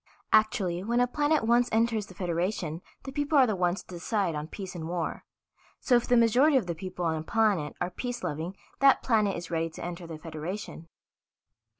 "Actually, when a planet once enters the Federation the people are the ones to decide on peace and war. So if the majority of the people on a planet are peace loving that planet is ready to enter the Federation."